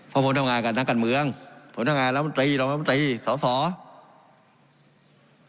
เพราะผมทำงานมาทั้งการเมืองผมทำงานร้องมันตรีสตรีศาวสลมสอบ